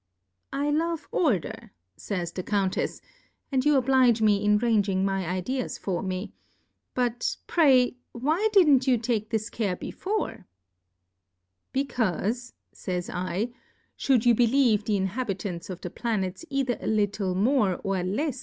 I love Order, [ays the Countej'sy and you oblige me in ranging my Ideas for me : But pray, why didn't you take this Care before ? Becaufe^/^jj* /, Ihould you believe the Inhabitants of the Planets either a little more or lefs than Plurality ^/ W O R L D S.